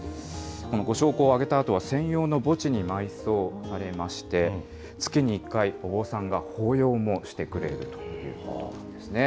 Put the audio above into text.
ご焼香をあげたあとは専用の墓地に埋葬されまして、月に１回、お坊さんが法要もしてくれるということですね。